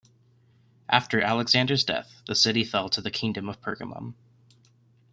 After Alexander's death, the city fell to the kingdom of Pergamum.